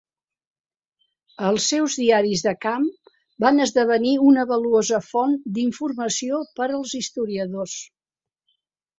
Els seus diaris de camp van esdevenir una valuosa font d'informació per als historiadors.